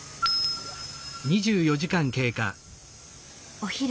お昼。